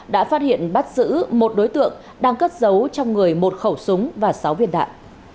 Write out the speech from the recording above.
đã phát hiện bắt giữ một đối tượng đang cất giấu trong người một khẩu súng và sáu viên đạn